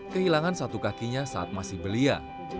kehilangan satu kakinya saat masih belia